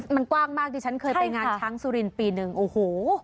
มันกว้างมากดิฉันเคยไปงานช้างสุรินปีหนึ่งโอ้โห